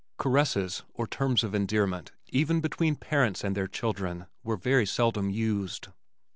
Caresses or terms of endearment even between parents and their children were very seldom used.